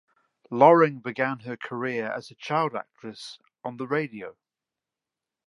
Lorring began her career as a child actress on the radio.